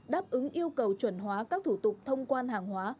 đáp ứng yêu cầu chuẩn hóa các thủ tục thông quan hàng hóa